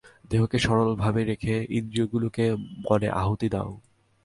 দেহকে সরল ভাবে রেখে ইন্দ্রিয়গুলিকে মনে আহুতি দাও।